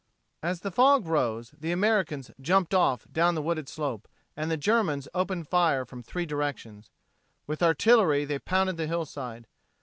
As the fog rose the American "jumped off" down the wooded slope and the Germans opened fire from three directions. With artillery they pounded the hillside.